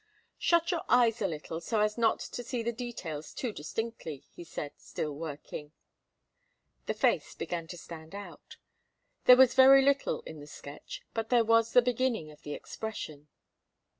"Shut your eyes a little, so as not to see the details too distinctly," he said, still working. The face began to stand out. There was very little in the sketch, but there was the beginning of the expression.